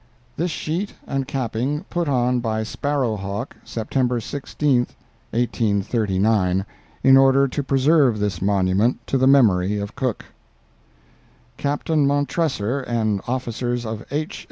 "This sheet and capping put on by Sparrowhawk September 16, 1839, in order to preserve this monument to the memory of Cook." "Captain Montressor and officers of H.